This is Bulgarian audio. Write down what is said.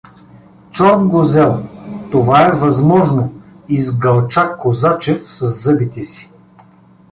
— Чорт го зел, това е възможно — изгълча Козачев със зъбите си.